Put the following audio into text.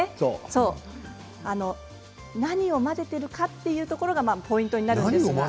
何を混ぜているかということがポイントになるんですけれど。